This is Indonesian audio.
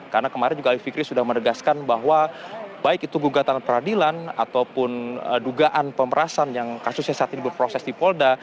karena kemarin juga alif fikri sudah menegaskan bahwa baik itu gugatan pra peradilan ataupun dugaan pemerasan yang kasusnya saat ini berproses di polda